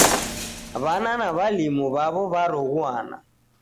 W'ana na w'alimu w'aw'o w'aroghuana.